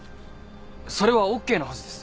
それはＯＫなはずです。